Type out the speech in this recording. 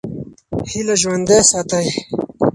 هیله ژوندۍ ساتئ.